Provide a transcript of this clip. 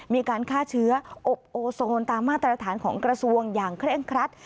มีการฆ่าเชื้ออบโอโซนตามมาตรฐานของกระทรวงอย่างเคร่งครัด